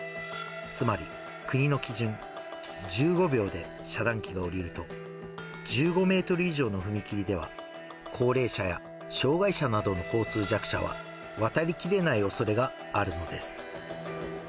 つまり、国の基準、１５秒で遮断機が下りると、１５メートル以上の踏切では、高齢者や障がい者などの交通弱者は渡りきれないおそれがあるのです。